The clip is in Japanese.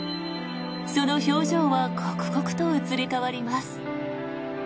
その表情は刻々と移り変わります。